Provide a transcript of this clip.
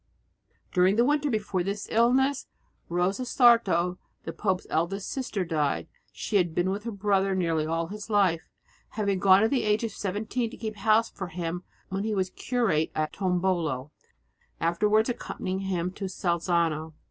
During the winter before this illness Rosa Sarto, the pope's eldest sister, died. She had been with her brother nearly all his life, having gone at the age of seventeen to keep house for him when he was a curate at Tombolo, afterwards accompanying him to Salzano.